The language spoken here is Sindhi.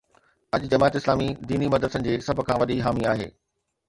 اڄ جماعت اسلامي ديني مدرسن جي سڀ کان وڏي حامي آهي.